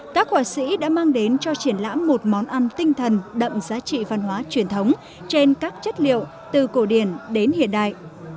các họa sĩ đã mang đến cho triển lãm một món ăn tinh thần đậm giá trị văn hóa truyền thống trên các chất liệu từ cổ điển đến hiện đại